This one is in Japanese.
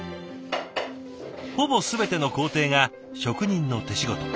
ほぼ全ての工程が職人の手仕事。